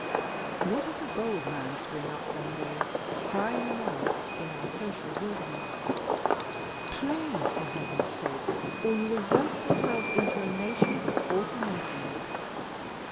What if a bold man spring up one day, crying aloud in our social wilderness, "Play, for Heaven's sake, or you will work yourselves into a nation of automatons!